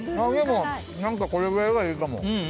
これぐらいがいいかも。